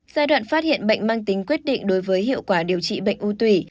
giai đoạn phát hiện bệnh mang tính quyết định đối với hiệu quả điều trị bệnh u tủy